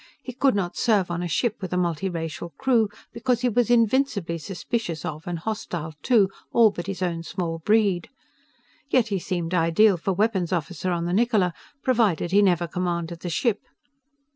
He could not serve on a ship with a multiracial crew, because he was invincibly suspicious of and hostile to all but his own small breed. Yet he seemed ideal for weapons officer on the Niccola, provided he never commanded the ship.